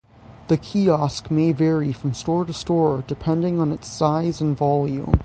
The kiosk may vary from store to store depending on its size and volume.